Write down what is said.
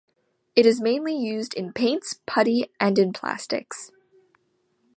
It is mainly used in paints, putty, and in plastics.